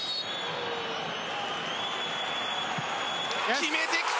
決めてきた！